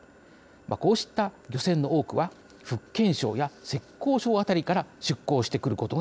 こうした漁船の多くは福建省や浙江省辺りから出港してくることが多いんです。